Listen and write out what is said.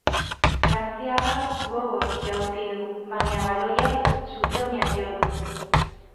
Frantziarrak gogor jaurti du, baina baloiak zutoina jo du.